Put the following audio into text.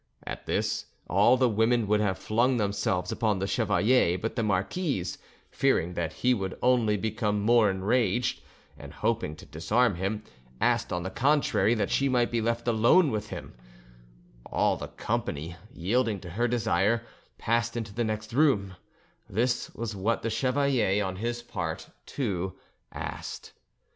At this, all the women would have flung themselves upon the chevalier; but the marquise, fearing that he would only become more enraged, and hoping to disarm him, asked, on the contrary, that she might be left alone with him: all the company, yielding to her desire, passed into the next room; this was what the chevalier, on his part, too, asked.